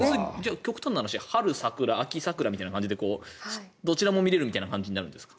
極端なことを言うと春の桜、秋の桜みたいなどちらも見れるみたいな感じになるんですか？